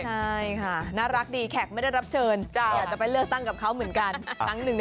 ใช่ค่ะน่ารักดีแขกไม่ได้รับเชิญอยากจะไปเลือกตั้งกับเขาเหมือนกันครั้งหนึ่ง